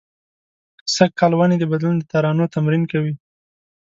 سږ کال ونې د بدلون د ترانو تمرین کوي